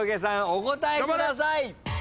お答えください。